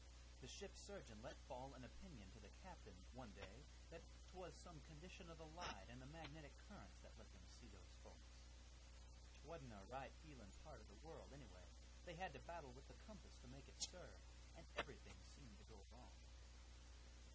"The ship's surgeon let fall an opinion to the captain, one day, that 'twas some condition o' the light and the magnetic currents that let them see those folks. 'Twa'n't a right feeling part of the world, anyway; they had to battle with the compass to make it serve, an' everything seemed to go wrong.